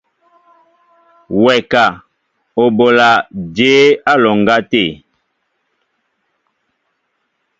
Wɛ ka , o bola jěbá á alɔŋgá tê?